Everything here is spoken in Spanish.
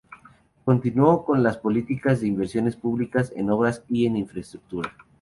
Continuó con las políticas de inversiones públicas en obras y en infraestructura.